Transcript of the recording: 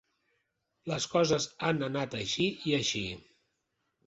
Les coses han anat així i així.